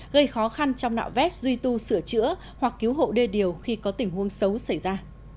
gây khó khăn trong nạo vét duy tu sửa chữa hoặc cứu hộ đê điều khi có tình huống xấu xảy ra